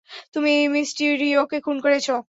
তুমি মিস্টিরিওকে খুন করেছ?